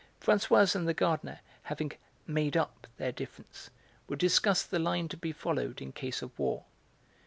Françoise and the gardener, having 'made up' their difference, would discuss the line to be followed in case of war.